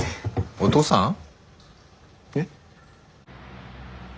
お父さん？え？